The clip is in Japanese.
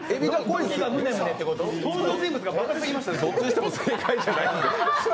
どっちにしても正解じゃないので。